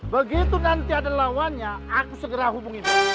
begitu nanti ada lawannya aku segera hubungi saya